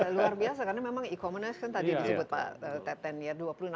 luar biasa karena memang e commerce kan tadi disebut pak teten ya